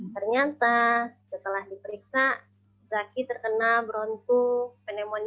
ternyata setelah diperiksa zaky terkena bronco pneumonia